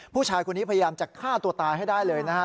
ผู้ชายคนนี้พยายามจะฆ่าตัวตายให้ได้เลยนะฮะ